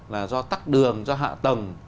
là do tắc đường do hạ tầng